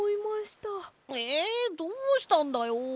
えっどうしたんだよ？